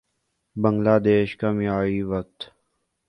بنگلہ دیش کا معیاری وقت